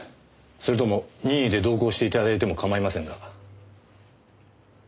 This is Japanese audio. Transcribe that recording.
それとも任意で同行して頂いても構いませんが。